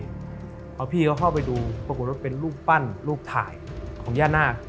พี่เขาก็เข้าไปดูปลูกรถเป็นรูปปั้นรูปถ่ายของย่านาค